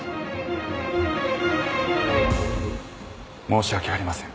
申し訳ありません。